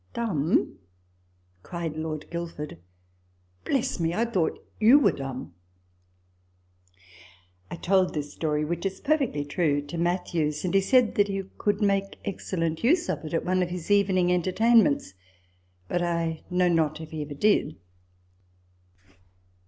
" Dumb !" cried Lord Guil ford ;" bless me, I thought you were dumb." I told this story (which is perfectly true) to Matthews ; and he said that he could make excellent use of it at one of his evening entertainments : but I know not if he ever did.